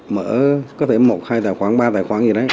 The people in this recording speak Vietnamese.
mở có thể một hai tài khoản ba tài khoản gì đấy